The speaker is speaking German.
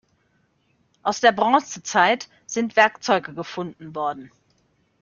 Aus der Bronzezeit sind Werkzeuge gefunden worden.